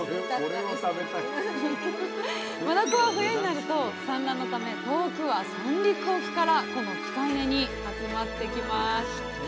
マダコは冬になると産卵のため遠くは三陸沖からこの器械根に集まってきます。